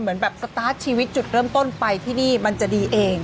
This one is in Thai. เหมือนแบบสตาร์ทชีวิตจุดเริ่มต้นไปที่นี่มันจะดีเอง